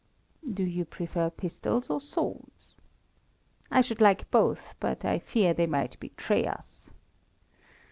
"Do you prefer pistols or swords?" "I should like both; but I fear they might betray us."